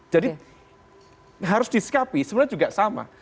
jadi harus disikapi sebenarnya juga sama